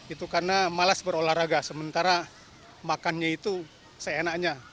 itu karena malas berolahraga sementara makannya itu seenaknya